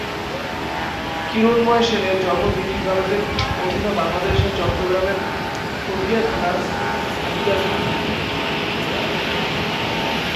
কিরণময় সেনের জন্ম বৃটিশ ভারতের অধুনা বাংলাদেশের চট্টগ্রামের পটিয়া থানার হাবিলাসদ্বীপে।